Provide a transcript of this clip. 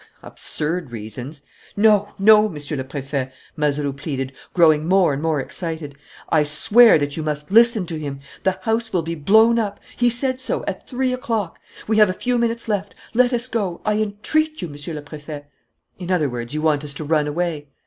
"Absurd reasons." "No, no, Monsieur le Préfet," Mazeroux pleaded, growing more and more excited. "I swear that you must listen to him. The house will be blown up he said so at three o'clock. We have a few minutes left. Let us go. I entreat you, Monsieur le Préfet." "In other words, you want us to run away."